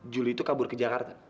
juli itu kabur ke jakarta